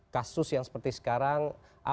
kasus yang seperti sekarang